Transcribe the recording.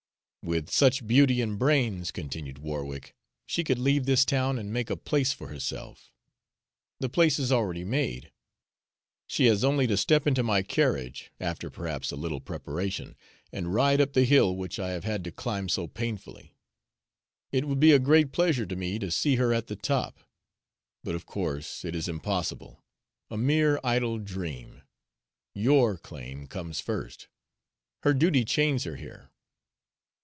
"With such beauty and brains," continued Warwick, "she could leave this town and make a place for herself. The place is already made. She has only to step into my carriage after perhaps a little preparation and ride up the hill which I have had to climb so painfully. It would be a great pleasure to me to see her at the top. But of course it is impossible a mere idle dream. YOUR claim comes first; her duty chains her here."